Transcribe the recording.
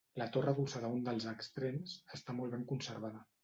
La torre adossada a un dels extrems, està molt ben conservada.